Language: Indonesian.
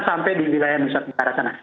sampai di wilayah nusantara sana